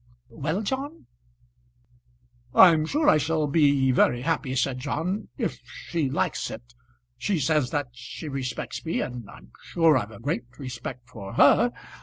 Well, John?" "I'm sure I shall be very happy," said John, "if she likes it. She says that she respects me, and I'm sure I've a great respect for her.